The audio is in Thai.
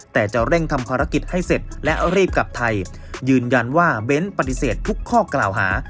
แต่จะเร่งทำภารกิจให้เสร็จและรีบกลับไทยยืนยันว่าเบ้นปฏิเสธทุกข้อกล่าวหา